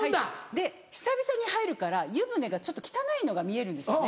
で久々に入るから湯船がちょっと汚いのが見えるんですよね。